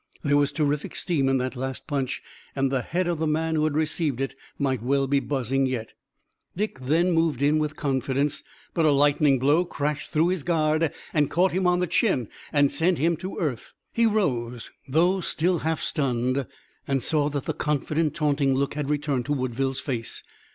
There was terrific steam in that last punch and the head of the man who had received it might well be buzzing yet. Dick then moved in with confidence, but a lightning blow crashed through his guard, caught him on the chin and sent him to earth. He rose, though still half stunned, and saw that the confident, taunting look had returned to Woodville's face.